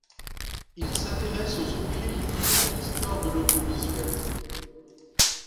Il s'intéresse aux objets liés à l'histoire de l'audiovisuel.